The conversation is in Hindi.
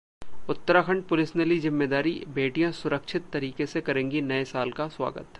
उत्तराखंड पुलिस ने ली जिम्मेदारी, बेटियां सुरक्षित तरीके से करेंगी नए साल का स्वागत